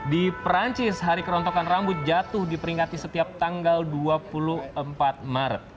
di perancis hari kerontokan rambut jatuh diperingati setiap tanggal dua puluh empat maret